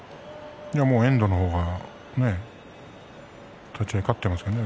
遠藤の方が立ち合い勝っていますよね。